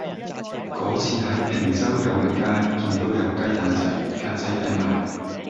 嗰次喺坪洲友榮街見到有雞蛋仔格仔餅賣